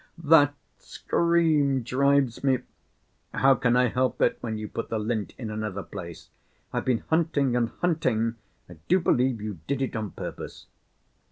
That scream drives me ... How can I help it when you put the lint in another place? I've been hunting and hunting—I do believe you did it on purpose."